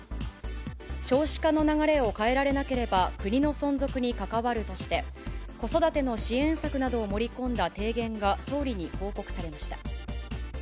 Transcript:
少子化の流れを変えられなければ、国の存続に関わるとして、子育ての支援策などを盛り込んだ提言が総理に報告されました。